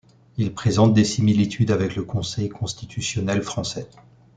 Il présente des similitudes avec le Conseil constitutionnel français.